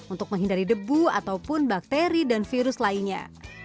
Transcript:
untuk menghindari debu ataupun bakteri dan virus lainnya